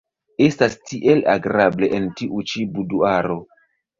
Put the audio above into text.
Estas tiel agrable en tiu ĉi buduaro.